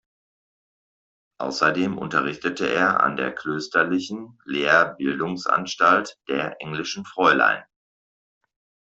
Außerdem unterrichtete er an der klösterlichen Lehrerbildungsanstalt der Englischen Fräulein.